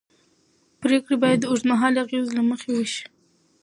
پرېکړې باید د اوږدمهاله اغېزو له مخې وشي